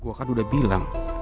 gue kan udah bilang